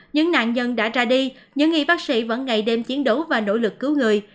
những nạn nhân đã ra đi những y bác sĩ vẫn ngày đêm chiến đấu và nỗ lực cứu người